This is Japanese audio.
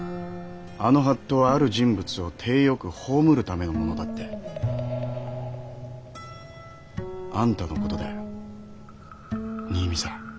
あの法度はある人物を体よく葬るためのものだって。あんたの事だよ新見さん。